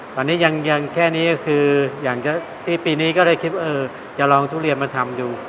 ตอนนี้ยังแค่นี้ก็คืออย่างที่ปีนี้ก็ได้คิดว่าจะลองทุเรียนมาทำดู